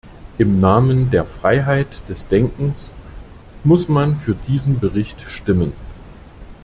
Im Namen der Freiheit des Denkens muss man für diesen Bericht stimmen.